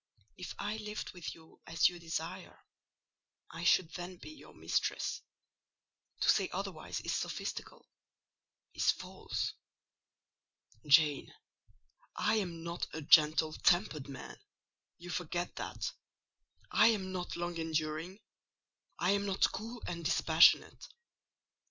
If I lived with you as you desire, I should then be your mistress: to say otherwise is sophistical—is false." "Jane, I am not a gentle tempered man—you forget that: I am not long enduring; I am not cool and dispassionate.